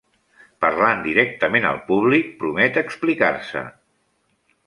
Parlant directament al públic, promet explicar-se.